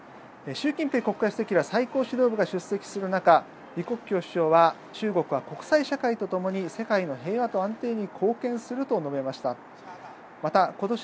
習近平国家主席など最高指導部が出席する中李克強首相は中国は国際社会とともに世界の平和と安定に貢献すると述べました。